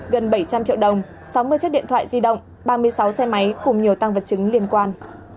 gần bảy trăm linh triệu đồng sáu mươi chiếc điện thoại di động ba mươi sáu xe máy cùng nhiều tăng vật chứng liên quan